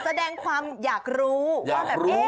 แสดงความอยากรู้